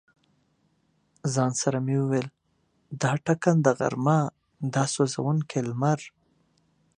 ځان سره مې ویل: دا ټکنده غرمه، دا سوزونکی لمر.